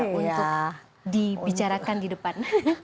untuk dibicarakan di depan